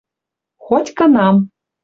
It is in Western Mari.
ХОТЬ-КЫНАМ